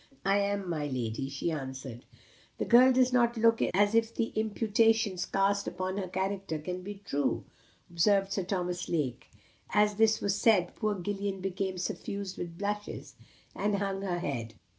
"I am, my lady," she answered. "The girl does not look as if the imputations cast upon her character can be true," observed Sir Thomas Lake. As this was said, poor Gillian became suffused with blushes, and hung her head.